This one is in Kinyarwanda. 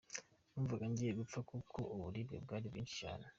Numvaga ngiye gupfa kuko uburibwe bwari bwinshi cyane.